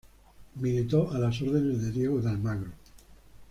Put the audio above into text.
Militó a las órdenes de Diego de Almagro.